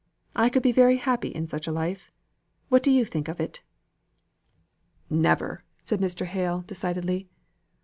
I could be very happy in such a life. What do you think of it?" "Never," said Mr. Hale, decidedly.